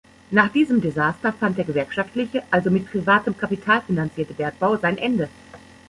Nach diesem Desaster fand der gewerkschaftliche, also mit privatem Kapital finanzierte Bergbau sein Ende.